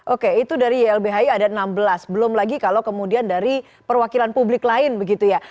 oke itu dari ylbhi ada enam belas belum lagi kalau kemudian dari perwakilan publik lain begitu ya